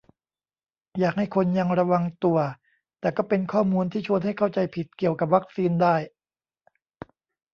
อยากให้คนยังระวังตัว แต่ก็เป็นข้อมูลที่ชวนให้เข้าใจผิดเกี่ยวกับวัคซีนได้